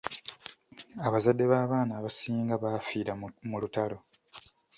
Abazadde b’abaana abasinga baafiira mu lutalo.